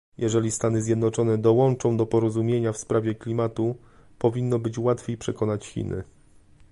Jeżeli Stany Zjednoczone dołączą do porozumienia w sprawie klimatu, powinno być łatwiej przekonać Chiny